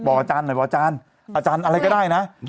เป็นการกระตุ้นการไหลเวียนของเลือด